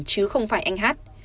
chứ không phải anh hát